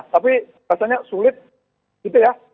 tapi rasanya sulit gitu ya